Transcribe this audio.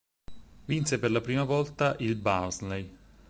Vinse per la prima volta il Barnsley.